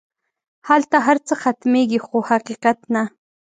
هلته هر څه ختمېږي خو حقیقت نه.